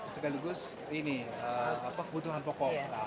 segaligus ini kebutuhan pokok